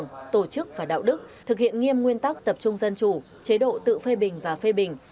nghiêm nguyên tắc tập trung dân chủ chế độ tự phê bình và phê bình